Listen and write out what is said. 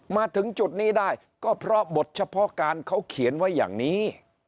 มาถึงจุดนี้ได้ก็เพราะบทเฉพาะการเขาเขียนไว้อย่างนี้